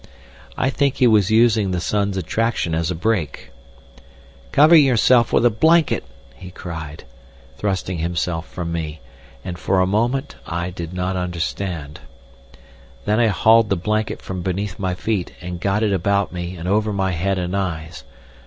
I think he was using the sun's attraction as a brake. "Cover yourself with a blanket," he cried, thrusting himself from me, and for a moment I did not understand. Then I hauled the blanket from beneath my feet and got it about me and over my head and eyes.